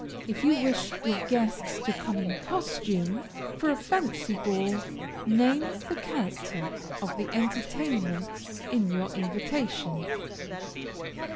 If you wish your guests to come in costume for a fancy ball, name the character of the entertainment in your invitation.